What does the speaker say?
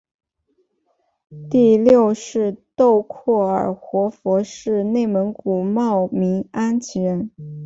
第六世洞阔尔活佛是内蒙古茂明安旗人。